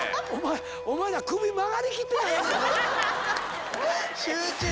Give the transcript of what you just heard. お前ら首曲がりきってないやないか。